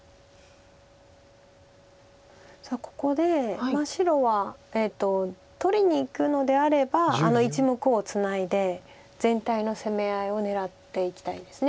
さあここで白は取りにいくのであればあの１目をツナいで全体の攻め合いを狙っていきたいです。